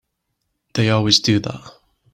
They always do that.